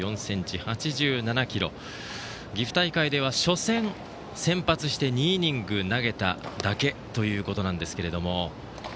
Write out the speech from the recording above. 岐阜大会では初戦に先発して２イニング投げただけということなんですけど。